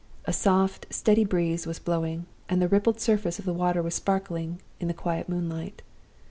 A soft, steady breeze was blowing, and the rippled surface of the water was sparkling in the quiet moonlight.